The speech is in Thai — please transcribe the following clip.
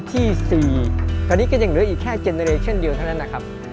ที่๔ตอนนี้ก็ยังเหลืออีกแค่เจนเรเช่นเดียวเท่านั้นนะครับ